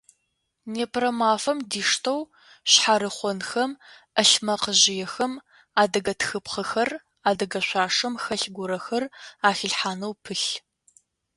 Непэрэ мафэм диштэу шъхьарыхъонхэм, ӏэлъмэкъыжъыехэм адыгэ тхыпхъэхэр, адыгэ шъуашэм хэлъ горэхэр ахилъхьанэу пылъ.